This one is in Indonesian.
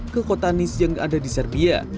ke kota nis yang ada di serbia